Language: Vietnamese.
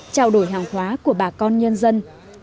trao đổi hàng hóa của bà con nhân dân